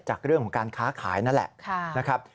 จากเรื่องของการค้าขายนั่นแหละนะครับ